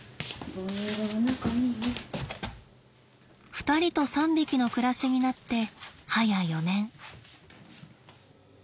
２人と３匹の暮らしになって早４年。